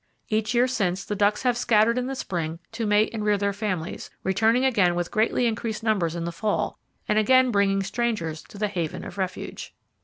Each year since, the ducks have scattered in the spring to mate and rear their families, returning again with greatly increased numbers in the fall, and again bringing strangers to the haven of refuge.